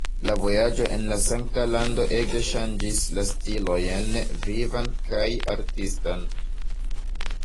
La vojaĝo en la Sankta Lando ege ŝanĝis la stilojn vivan kaj artistan.